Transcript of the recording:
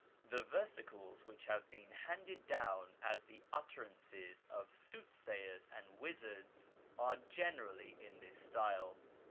The versicles which have been handed down as the utterances of soothsayers and wizards are generally in this style.